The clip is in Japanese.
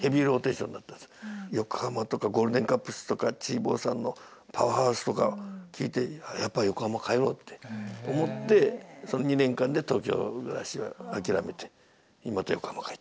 「Ｙ．Ｏ．Ｋ．Ｏ．Ｈ．Ａ．Ｍ．Ａ」とかゴールデン・カップスとかＣＨＩＢＯＷさんのパワー・ハウスとか聞いてやっぱ横浜帰ろうって思ってその２年間で東京暮らしは諦めてまた横浜帰ったっていう。